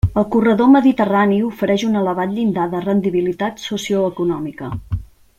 El corredor mediterrani ofereix un elevat llindar de rendibilitat socioeconòmica.